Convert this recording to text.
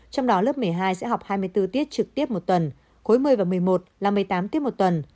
trong đó lớp một mươi hai sẽ học hai mươi bốn tiết trực tiếp một tuần khối một mươi và một mươi một là một mươi tám tiết một tuần